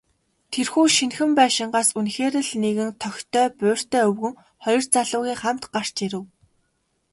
Тэрхүү шинэхэн байшингаас үнэхээр л нэгэн тохитой буурьтай өвгөн, хоёр залуугийн хамт гарч ирэв.